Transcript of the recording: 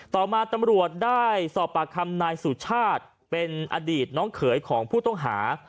ต่อมาตำรวจได้สอบปากคำนายสุชาติเป็นอดีตน้องเขยของผู้ต้องหา